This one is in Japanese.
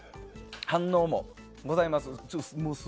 反応もございます。